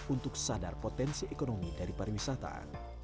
untuk sadar potensi ekonomi dari pariwisata